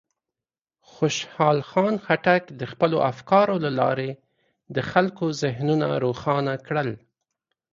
خوشحال خان خټک د خپلو افکارو له لارې د خلکو ذهنونه روښانه کړل.